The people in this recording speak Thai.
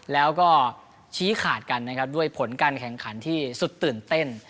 แล้วก็ชี้ขาดกันนะครับด้วยผลการแข่งขันที่สุดตื่นเต้น